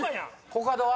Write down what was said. コカドは？